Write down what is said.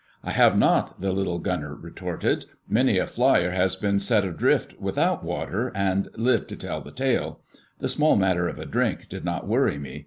"I have not!" the little gunner retorted. "Many a flier has been set adrift without water and lived to tell the tale. The small matter of a drink did not worry me.